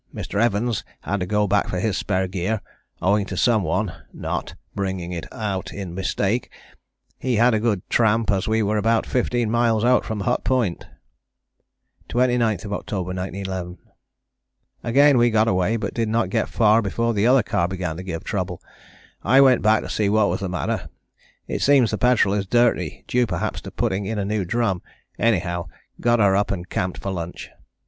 Mr. Evans had to go back for his spare gear owing to some one [not] bringing it out in mistake; he had a good tramp as we were about 15 miles out from Hut Point. "29th October 1911. "Again we got away, but did not get far before the other car began to give trouble. I went back to see what was the matter, it seems the petrol is dirty due perhaps to putting in a new drum, anyhow got her up and camped for lunch.